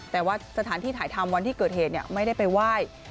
แต่ว่าสถานที่ถ่ายทำวันที่เกิดเหตุไม่ได้ไปไหว้